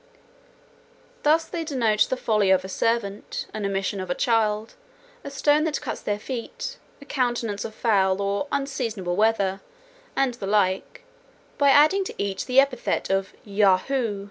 Thus they denote the folly of a servant, an omission of a child, a stone that cuts their feet, a continuance of foul or unseasonable weather, and the like, by adding to each the epithet of Yahoo.